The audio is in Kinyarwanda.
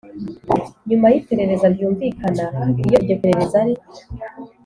nyuma y iperereza ryumvikana iyo iryo perereza ari